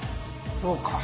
そうか。